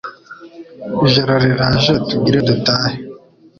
Ijoro riraje tugire dutahe